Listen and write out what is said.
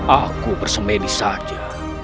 aku bersemedi saja